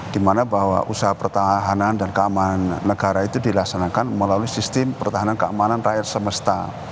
dimana bahwa usaha pertahanan dan keamanan negara itu dilaksanakan melalui sistem pertahanan keamanan rakyat semesta